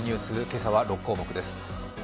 今朝は６項目です。